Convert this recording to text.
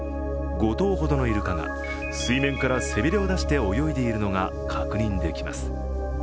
５頭ほどのイルカが水面から背びれを出して泳いでいるのが確認できます。